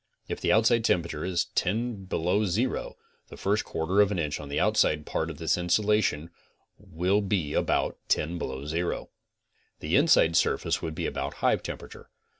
If the outside temperature is 10 below zero the first quarter of an inch on the outside part of this insulation will be about 10 below zero. The inside surface would be about hive temperature.